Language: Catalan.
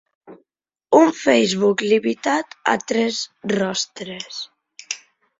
Un Facebook limitat a tres rostres.